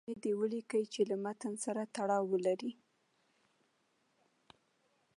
پنځه جملې دې ولیکئ چې له متن سره تړاو ولري.